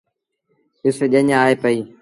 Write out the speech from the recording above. ڏس ڄڃ آئي پئيٚ۔